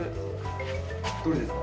どれですか？